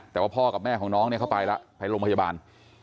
แต่พ่อกับแม่ของน้องเค้าไปหลงพยาบาล